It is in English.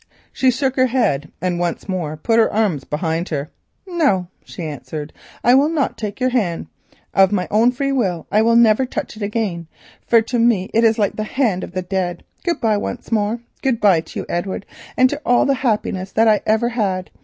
She shook her head and once more put her arms behind her. "No," she answered, "I will not take your hand. Of my own free will I shall never touch it again, for to me it is like the hand of the dead. Good bye, once more; good bye to you, Edward, and to all the happiness that I ever had.